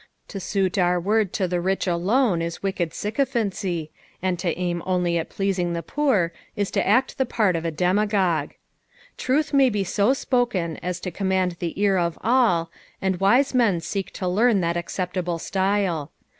To suit our word to the rich alone is wicked sycophancy, and to aim only at pleasing the poor is to act the part of a demagogue. Truth may be ao spoken as to command the ear of all, and wise men seek to learn that acceptable st;le.